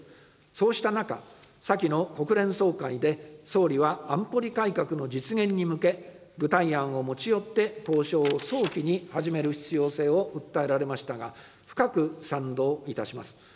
そうした中、先の国連総会で総理は安保理改革の実現に向け、具体案を持ち寄って交渉を早期に始める必要性を訴えられましたが、深く賛同いたします。